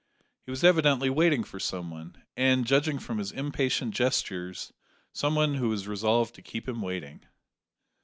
He was evidently waiting for someone; and, judging from his impatient gestures, someone who was resolved to keep him waiting.